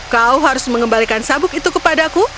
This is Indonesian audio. kau harus mengembalikan sabuk itu kepadaku